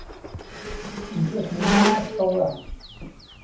كُنتُ أتمنى أن تتطوّع.